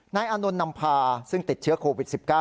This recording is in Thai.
อานนท์นำพาซึ่งติดเชื้อโควิด๑๙